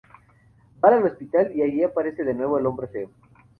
Van al hospital y allí aparece de nuevo el hombre feo.